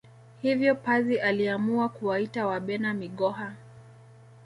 Hivyo pazi aliamua kuwaita Wabena Migoha